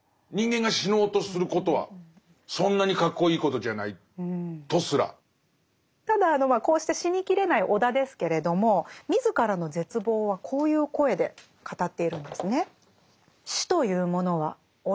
逆に言うとただこうして死に切れない尾田ですけれども自らの絶望はこういう声で語っているんですね。